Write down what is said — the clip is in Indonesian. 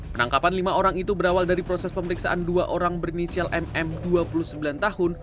penangkapan lima orang itu berawal dari proses pemeriksaan dua orang berinisial mm dua puluh sembilan tahun